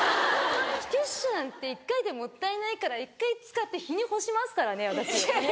ティッシュなんて一回でもったいないから一回使って日に干しますからね私。